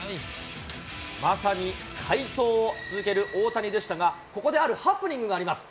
まさに快投を続ける大谷でしたが、ここであるハプニングがあります。